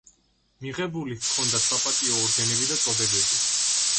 მიღებული ჰქონდა საპატიო ორდენები და წოდებები.